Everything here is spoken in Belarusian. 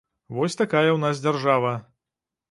Вось такая ў нас дзяржава.